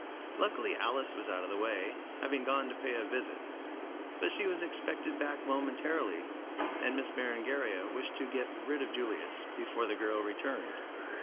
Luckily Alice was out of the way, having gone to pay a visit. But she was expected back momentarily, and Miss Berengaria wished to get rid of Julius before the girl returned.